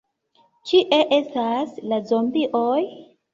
Kie estas la zombioj?